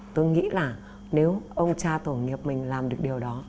tôi nghĩ là nếu ông cha tổ nghiệp mình làm được điều đó